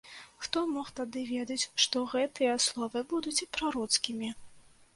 Хто мог тады ведаць, што гэтыя словы будуць прароцкімі.